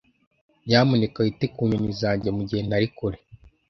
Nyamuneka wite ku nyoni zanjye mugihe ntari kure.